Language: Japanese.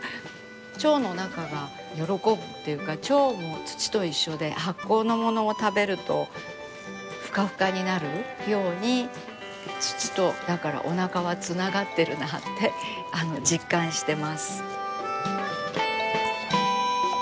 腸の中が喜ぶっていうか腸も土と一緒で発酵のものを食べるとふかふかになるように土とだからおなかはつながってるなあって実感してます。